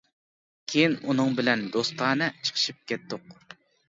كېيىن ئۇنىڭ بىلەن دوستانە چىقىشىپ كەتتۇق.